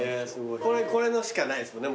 これのしかないですもんね。